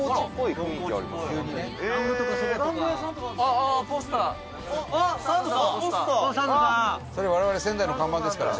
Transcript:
伊達：我々仙台の看板ですから。